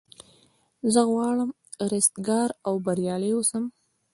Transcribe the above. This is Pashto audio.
زه غواړم رستګار او بریالی اوسم.